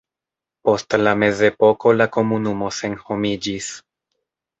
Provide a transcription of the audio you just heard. Post la mezepoko la komunumo senhomiĝis.